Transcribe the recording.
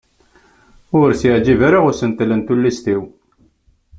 Ur as-yeɛǧib ara usentel n tullist-iw.